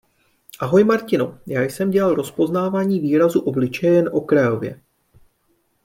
Ahoj Martino, já jsem dělal rozpoznávání výrazu obličeje jen okrajově.